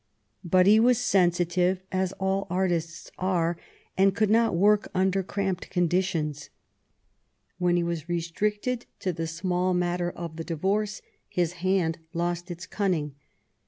But he was sensitive, as all artists are, and could not work under cramped conditions. When he was restricted to the small matter of the divorce his hand lost its cunning.